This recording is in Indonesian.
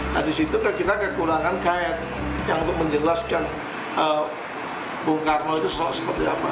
nah disitu kita kekurangan kaya yang untuk menjelaskan bungkarno itu seperti apa